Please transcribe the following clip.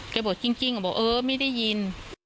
เขาบอกจริงจริงเขาบอกเออไม่ได้ยิน